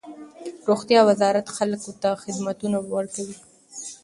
روغتیا وزارت خلک ته خدمتونه ورکوي.